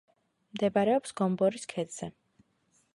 მდებარეობს გომბორის ქედზე.